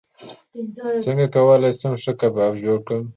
څنګه کولی شم ښه کباب جوړ کړم